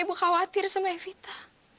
ibu khawatir sama evita